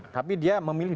tapi dia memilih